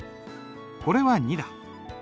これは「に」だ。